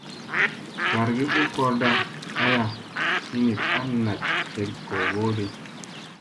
Gargi u korda aya hiniɗ a naɗ jeɗ googodi.